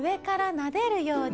なでるように？